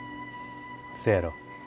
せやろ。